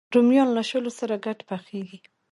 رومیان له شولو سره ګډ پخېږي